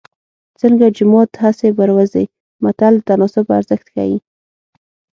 څنګه جومات هسې بروزې متل د تناسب ارزښت ښيي